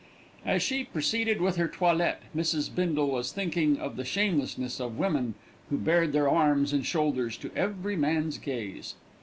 As she proceeded with her toilette Mrs. Bindle was thinking of the shamelessness of women who bared their arms and shoulders to every man's gaze.